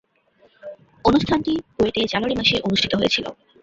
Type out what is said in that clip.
অনুষ্ঠানটি বুয়েটে জানুয়ারি মাসে অনুষ্ঠিত হয়েছিলো।